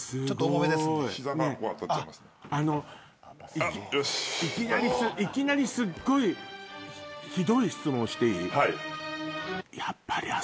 いきなりすっごいひどい質問していい？